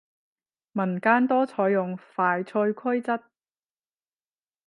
民間多採用快脆規則